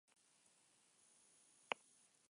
Nire aita hil zuten urtea.